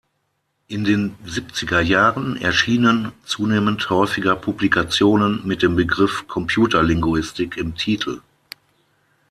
In den siebziger Jahren erschienen zunehmend häufiger Publikationen mit dem Begriff "Computerlinguistik" im Titel.